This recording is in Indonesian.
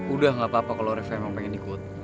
udah gak apa apa kalau reva emang pengen ikut